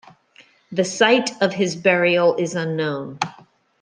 The site of his burial is unknown.